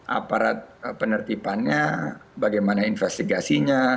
aparat penertipannya bagaimana investigasinya